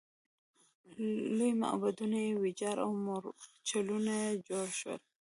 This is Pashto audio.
لوی معبدونه یې ویجاړ او مورچلونه جوړ شول.